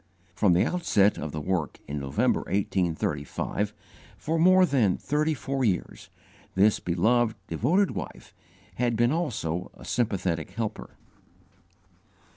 From the outset of the work in November, 1835, for more than thirty four years, this beloved, devoted wife had been also a sympathetic helper.